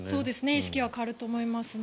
意識は変わると思いますね。